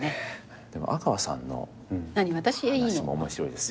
でも阿川さんの話も面白いですよ。